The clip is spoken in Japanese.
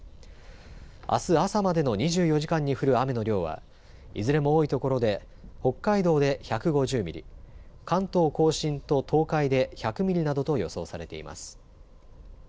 あす朝までの２４時間に降る雨の量はいずれも多いところで北海道で１５０ミリ、関東甲信と東海で１００ミリなどと予想されています。